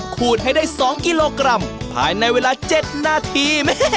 ขูดให้ได้๒กิโลกรัมภายในเวลา๗นาที